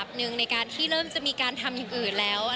จริงยินดีจะร่วมคุณแบบทุกคนนะคะ